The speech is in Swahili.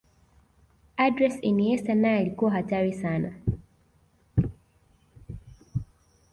andres iniesta naye alikuwa hatari sana